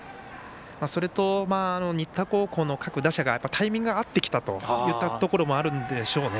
それと、新田高校の各打者がタイミングが合ってきたというところがあるんでしょうね。